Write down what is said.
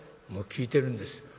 「もう聞いてるんです。